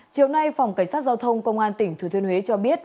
chiều nay phòng cảnh sát giao thông công an tỉnh thừa thiên huế cho biết